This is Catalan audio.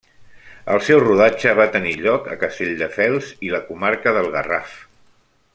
El seu rodatge va tenir lloc a Castelldefels i la comarca del Garraf.